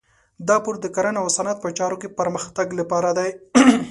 دا پور د کرنې او صنعت په چارو کې پرمختګ لپاره دی.